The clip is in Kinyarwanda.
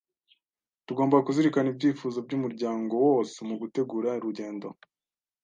Tugomba kuzirikana ibyifuzo byumuryango wose mugutegura urugendo.